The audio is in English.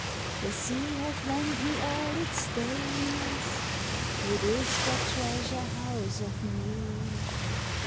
T'he sea hath lent me all its stains: It is but treasure house of me.